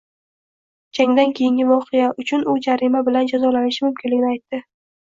Jangdan keyingi voqea uchun u jarima bilan jazolanishi mumkinligini aytdi.